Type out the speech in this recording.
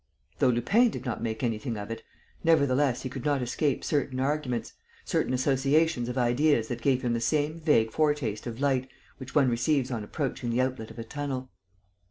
Though Lupin did not make anything of it, nevertheless he could not escape certain arguments, certain associations of ideas that gave him the same vague foretaste of light which one receives on approaching the outlet of a tunnel.